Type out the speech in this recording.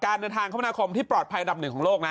เดินทางคมนาคมที่ปลอดภัยอันดับหนึ่งของโลกนะ